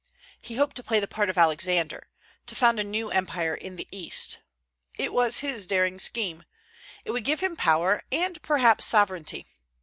He hoped to play the part of Alexander, to found a new empire in the East. It was his darling scheme. It would give him power, and perhaps sovereignty.